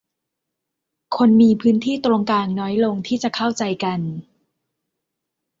คนมีพื้นที่ตรงกลางน้อยลงที่จะเข้าใจกัน